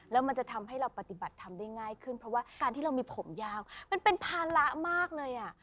แล้วมันจะทำให้เราปฏิบัติทำได้ง่ายขึ้นเพราะว่าการที่เรามีผมยาวมันเป็นภาระมากเลยอ่ะ